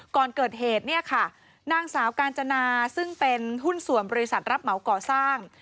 ก่อนเกิดเหตุเนี่ยค่ะนางสาวกาญจนาซึ่งเป็นหุ้นส่วนบริษัทรับเหมาก่อสร้าง